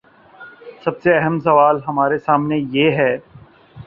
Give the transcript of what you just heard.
سب سے اہم سوال ہمارے سامنے یہ ہے۔